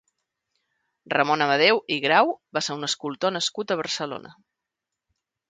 Ramon Amadeu i Grau va ser un escultor nascut a Barcelona.